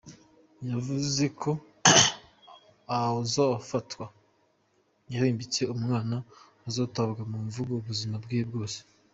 Yavuze ko uwuzofatwa yahumbishije umwana azotabwa mu mvuto ubuzima bwiwe bwose.